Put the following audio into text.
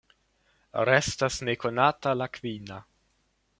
Restas nekonata la kvina.